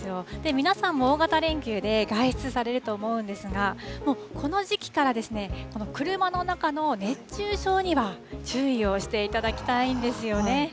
皆さんも大型連休で外出されると思うんですが、もうこの時期からですね、車の中の熱中症には注意をしていただきたいんですよね。